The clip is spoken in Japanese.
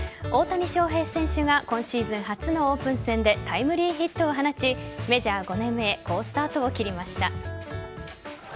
大谷翔平選手が今シーズン初のオープン戦でタイムリーヒットを放ちメジャー５年目へ好スタートを切りました。